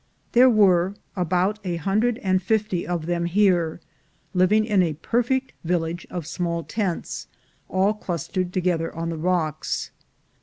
There were about a hundred and fifty of them here, living in a perfect village of small tents, all clustered together on the rocks.